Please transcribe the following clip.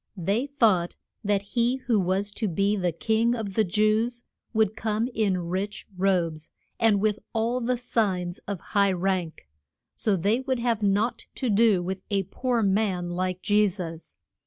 They thought that he who was to be the King of the Jews would come in rich robes, and with all the signs of high rank. So they would have naught to do with a poor man like Je sus.